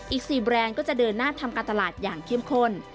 อีก๔แบรนด์ก็จะเดินหน้าทำการตลาดอย่างเข้มข้น